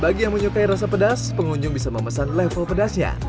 bagi yang menyukai rasa pedas pengunjung bisa memesan level pedasnya